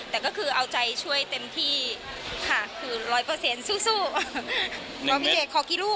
แต่ก็คือเอาใจช่วยเต็มที่